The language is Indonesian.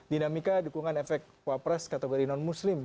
dinamika dukungan efek wapres kategori non muslim